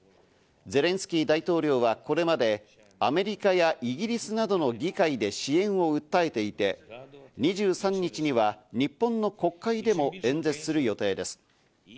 ゼレンスキー大統領はこれまでアメリカやイギリスなどの議会で支援を訴えていて、２３日には日本の国会でも演説する予定です。